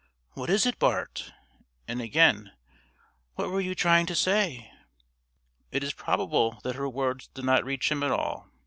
"What is it, Bart?" and again: "What were you trying to say?" It is probable that her words did not reach him at all.